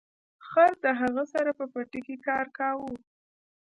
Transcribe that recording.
خر د هغه سره په پټي کې کار کاوه.